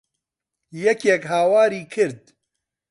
یەکێک هاواری کرد.